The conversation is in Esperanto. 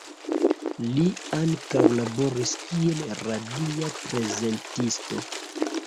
Li ankaŭ laboris kiel radia prezentisto.